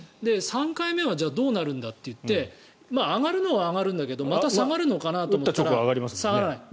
３回目はどうなるんだといって上がるのは上がるけどまた下がるのかと思ったら下がらない。